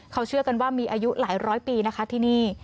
เขาเชื่อกันว่ามีอายุหลายร้อยปีนะคะที่นี่